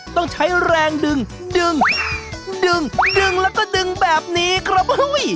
ต้องใช้แรงดึงดึงดึงแล้วก็ดึงแบบนี้ครับ